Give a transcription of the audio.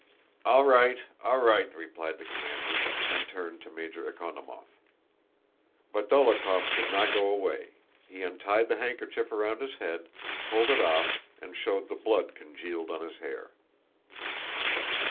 "All right, all right," replied the commander, and turned to Major Ekonómov. But Dólokhov did not go away; he untied the handkerchief around his head, pulled it off, and showed the blood congealed on his hair.